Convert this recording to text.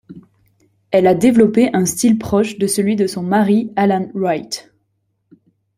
Elle a développé un style proche de celui de son mari Alan Wright.